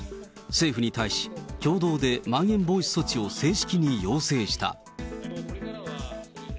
政府に対し、共同でまん延防止措置を正式に要請した。